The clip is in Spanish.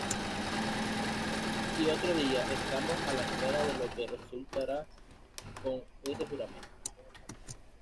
Y otro día: “Estamos a la espera de lo que resultará con ese juramento.